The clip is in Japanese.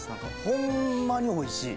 ホンマにおいしい。